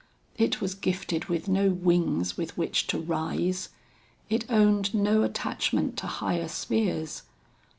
It was gifted with no wings with which to rise. It owned no attachment to higher spheres.